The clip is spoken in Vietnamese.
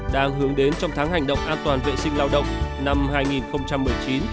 đang hướng đến trong tháng hành động an toàn vệ sinh lao động năm hai nghìn một mươi chín